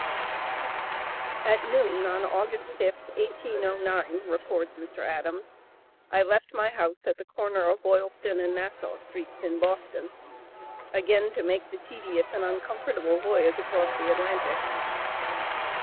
At noon on August 5, 1809, records Mr. Adams, "I left my house at the corner of Boylston and Nassau streets, in Boston," again to make the tedious and uncomfortable voyage across the Atlantic.